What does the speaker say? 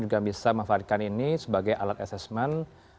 juga bisa memanfaatkan ini sebagai alat assessment